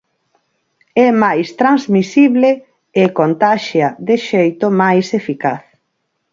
É máis transmisible e contaxia de xeito máis eficaz.